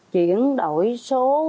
chuyển đổi số